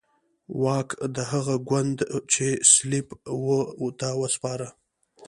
واک د هغه ګوند چې سلپيپ وو ته وسپاره.